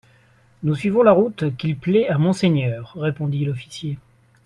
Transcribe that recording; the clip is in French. Nous suivons la route qu'il plaît à Monseigneur, répondit l'officier.